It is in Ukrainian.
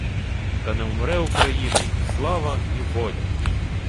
Та не вмре України ні слава ні воля